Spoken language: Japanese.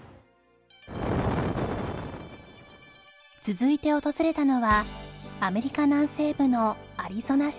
続いて訪れたのはアメリカ南西部のアリゾナ州